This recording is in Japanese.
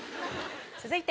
続いて。